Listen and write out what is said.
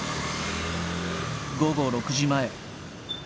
午後６時前。